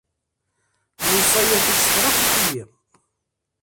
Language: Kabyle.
Lewṣayat-ik ssefraḥent-iyi.